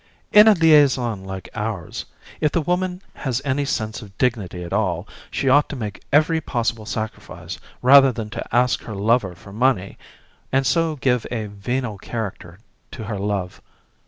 "In a liaison like ours, if the woman has any sense of dignity at all, she ought to make every possible sacrifice rather than ask her lover for money and so give a venal character to her love.